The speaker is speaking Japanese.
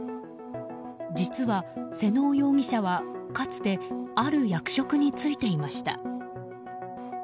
実は妹尾容疑者は、かつてある役職に就いていました。